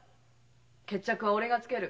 決着は俺がつける。